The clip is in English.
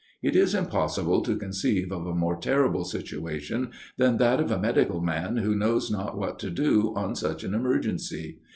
It is impossible to conceive of a more terrible situation than that of a medical man who knows not what to do on such an emergency.